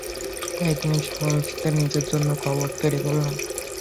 তাই তিনি স্বহস্তে নিজের জন্য কবর তৈরী করলেন।